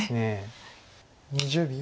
２０秒。